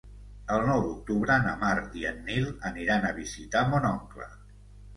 El nou d'octubre na Mar i en Nil aniran a visitar mon oncle.